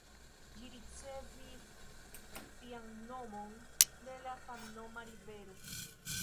Ĝi ricevis sian nomon de la samnoma rivero.